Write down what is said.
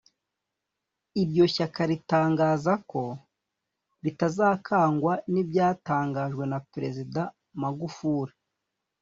Iryo shyaka ritangaza ko ritazakangwa n’ibyatangajwe na Perezida Magufuli